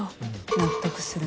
納得するな。